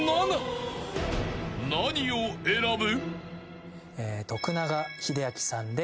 ［何を選ぶ？］